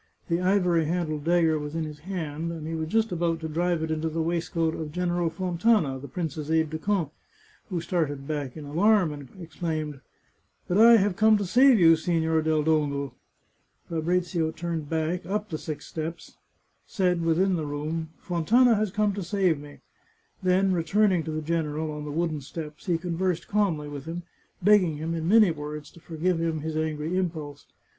The ivory handled dagger was in his hand, and he was just about to drive it into the waistcoat of Gen eral Fontana, the prince's aide de camp, who started back in alarm, and exclaimed, " But I have come to save you, Signor del Dongo !" Fabrizio turned back, up the six steps, said, within the room, " Fontana has come to save me," then, returning to the general, on the wooden steps, he conversed calmly with him, begging him, in many words, to forgive him his ang^ impulse.